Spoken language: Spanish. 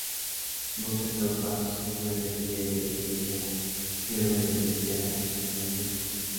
Muchas tropas sufrían de pie de trinchera, fiebre de trinchera y nefritis.